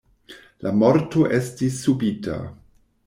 La morto estis subita.